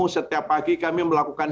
setiap pagi kami melakukan